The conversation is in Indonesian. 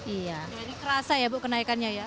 ini kerasa ya bu kenaikannya ya